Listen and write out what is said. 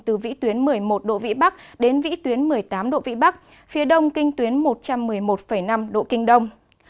từ vĩ tuyến một mươi một độ vĩ bắc đến vĩ tuyến một mươi tám độ vĩ bắc phía đông kinh tuyến một trăm một mươi một năm độ kinh đông